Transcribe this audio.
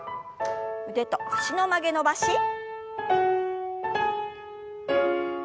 腕と脚の曲げ伸ばし。